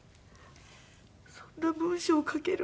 そんな文章書けるんだ。